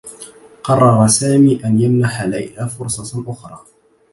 قرّر سامي أن يمنح ليلى فرصة أخرى.